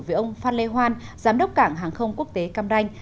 với ông phan lê hoan giám đốc cảng hàng không quốc tế cam ranh